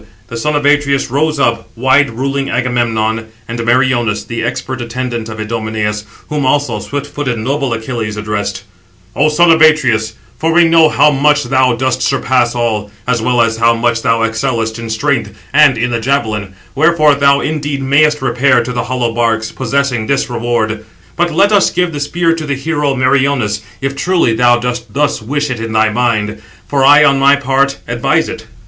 The son of Atreus rose up, wide ruling Agamemnon, and Meriones, the expert attendant of Idomeneus; whom also swift footed, noble Achilles addressed: "O son of Atreus, for we know how much thou dost surpass all, as well as how much thou excellest in strength and in the javelin, wherefore thou indeed mayest repair to the hollow barks, possessing this reward; but let us give the spear to the hero Meriones, if, truly, thou dost thus wish it in thy mind; for I on my part advise it."